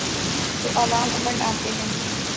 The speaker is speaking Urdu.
تو عوام امنڈ آتے ہیں۔